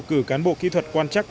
cử cán bộ kỹ thuật quan trắc